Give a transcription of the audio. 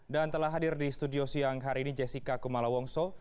dan telah hadir di studio siang hari ini jessica kumala wongso